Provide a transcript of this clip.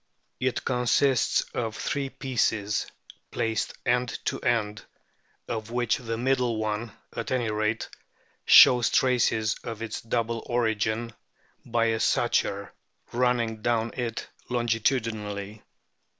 It consists of three pieces placed end to end, of which the middle one, at any rate, shows traces of its double origin by a suture running down it longitudinally.